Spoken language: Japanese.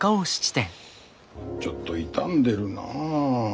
ちょっと傷んでるなあ。